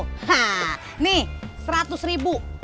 hah nih seratus ribu